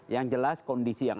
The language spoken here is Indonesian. yang jelas kondisi yang